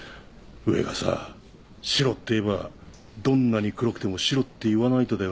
上がさ白って言えばどんなに黒くても白って言わないとだよね。